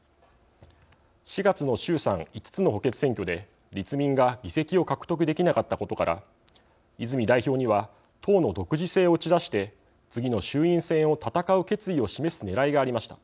４月の衆参５つの補欠選挙で立民が議席を獲得できなかったことから泉代表には党の独自性を打ち出して次の衆院選を戦う決意を示すねらいがありました。